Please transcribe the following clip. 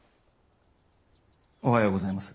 おはようございます。